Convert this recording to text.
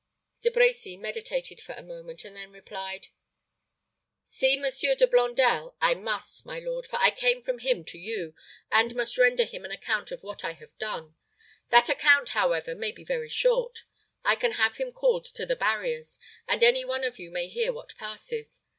De Brecy meditated for a moment, and then replied, "See Monsieur De Blondel I must, my lord; for I came from him to you, and must render him an account of what I have done. That account, however, may be very short. I can have him called to the barriers, and any one of you may hear what passes.